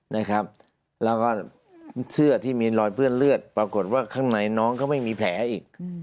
แล้วก็เสื้อที่มีรอยเปื้อนเลือดปรากฏว่าข้างในน้องก็ไม่มีแผลอีก